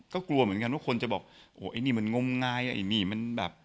ก็กลัวเหมือนกันว่าคนจะบอกโอ้ไอ้นี่มันงมงายไอ้นี่มันแบบ